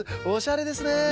おしゃれですね。